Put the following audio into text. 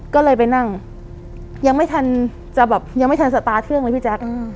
ก็เลยไปนั่งยังไม่ทันสตาเทืองเลยพี่แจ๊ค